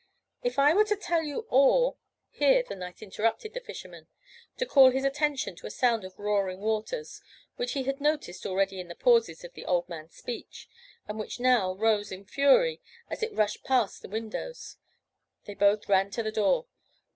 If I were to tell you all " Here the Knight interrupted the Fisherman, to call his attention to a sound of roaring waters, which he had noticed already in the pauses of the old man's speech, and which now rose in fury as it rushed past the windows. They both ran to the door.